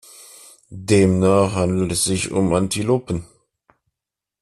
Demnach handelt es sich um Antilopen.